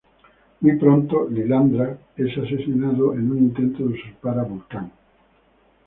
Muy pronto, Lilandra es asesinado en un intento de usurpar a Vulcan.